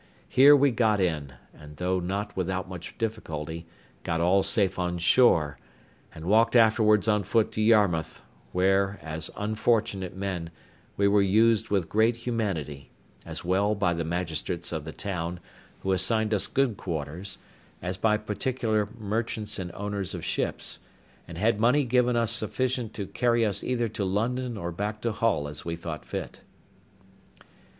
Here we got in, and though not without much difficulty, got all safe on shore, and walked afterwards on foot to Yarmouth, where, as unfortunate men, we were used with great humanity, as well by the magistrates of the town, who assigned us good quarters, as by particular merchants and owners of ships, and had money given us sufficient to carry us either to London or back to Hull as we thought fit.